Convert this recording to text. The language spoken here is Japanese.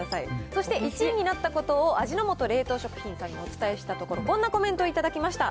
そして、１位になったことを味の素冷凍食品さんにお伝えしたところ、こんなコメントを頂きました。